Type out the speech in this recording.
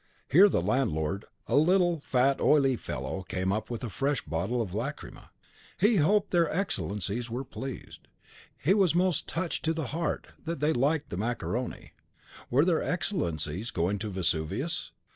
Here the landlord, a little, fat, oily fellow, came up with a fresh bottle of lacrima. He hoped their Excellencies were pleased. He was most touched touched to the heart, that they liked the macaroni. Were their Excellencies going to Vesuvius?